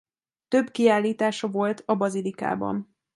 Több kiállítása volt a Bazilikában.